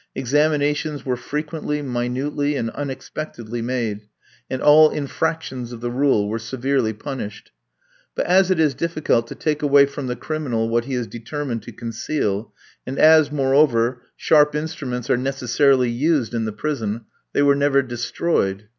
Examinations were frequently, minutely, and unexpectedly made, and all infractions of the rule were severely punished. But as it is difficult to take away from the criminal what he is determined to conceal, and as, moreover, sharp instruments are necessarily used in the prison, they were never destroyed.